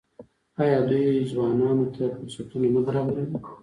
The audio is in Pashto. آیا دوی ځوانانو ته فرصتونه نه برابروي؟